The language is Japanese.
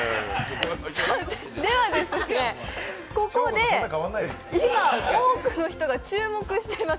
では、ここで今、多くの人が注目しています